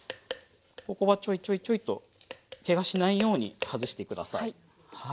ここはちょいちょいちょいとケガしないように外してください。